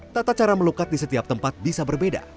tata cara melukat di setiap tempat bisa berbeda